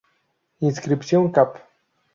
Inscripción Cap.